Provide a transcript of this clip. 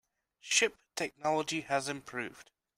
Ship technology has improved.